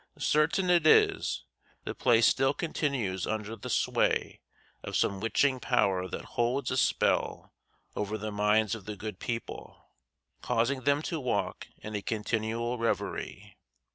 Certain it is, the place still continues under the sway of some witching power that holds a spell over the minds of the good people, causing them to walk in a continual reverie.